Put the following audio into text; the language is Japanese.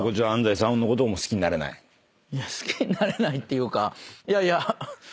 好きになれないっていうかいやいやその。